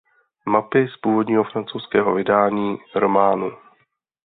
Mapy z původního francouzského vydání románu.